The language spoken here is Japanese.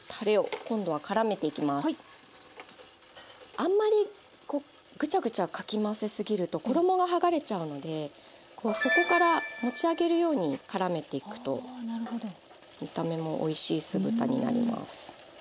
あんまりこうぐちゃぐちゃかき回せ過ぎると衣が剥がれちゃうのでこう底から持ち上げるようにからめていくと見た目もおいしい酢豚になります。